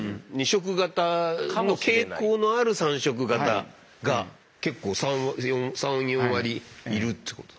２色型の傾向のある３色型が結構３４３４割いるってこと。